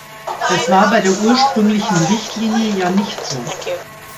Das war bei der ursprünglichen Richtlinie ja nicht so.